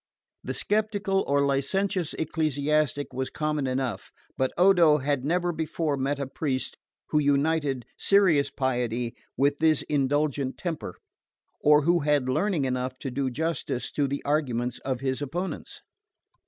The sceptical or licentious ecclesiastic was common enough; but Odo had never before met a priest who united serious piety with this indulgent temper, or who had learning enough to do justice to the arguments of his opponents.